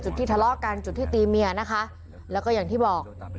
ที่ทะเลาะกันจุดที่ตีเมียนะคะแล้วก็อย่างที่บอก